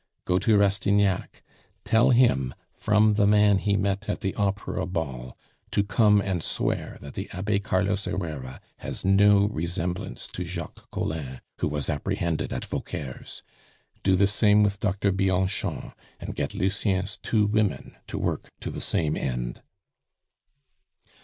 "Go to Rastignac; tell him, from the man he met at the opera ball, to come and swear that the Abbe Carlos Herrera has no resemblance to Jacques Collin who was apprehended at Vauquer's. Do the same with Dr. Bianchon, and get Lucien's two women to work to the same end."